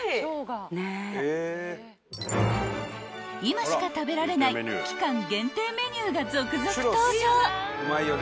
［今しか食べられない期間限定メニューが続々登場］